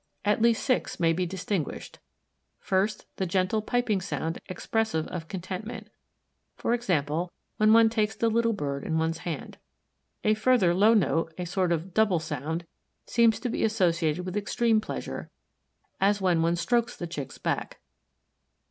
At least six may be distinguished: First, the gentle, piping sound expressive of contentment for example, when one takes the little bird in one's hand. A further low note, a sort of double sound, seems to be associated with extreme pleasure, as when one strokes the Chick's back.